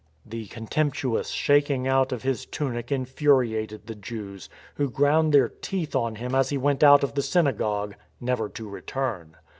The contemptuous shaking out of his tunic infuri ated the Jews, who ground their teeth on him as he went out of the synagogue, never to return.